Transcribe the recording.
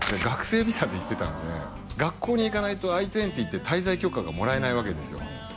学生ビザで行ってたんで学校に行かないとＩ−２０って滞在許可がもらえないわけですよ